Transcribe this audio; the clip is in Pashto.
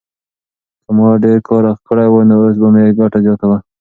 که ما ډېر کار کړی وای نو اوس به مې ګټه زیاته وه.